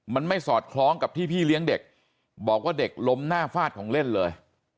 มันไม่สอดคล้องกับที่พี่เลี้ยงเด็กบอกว่าเด็กล้มหน้าฟาดของเล่นเลย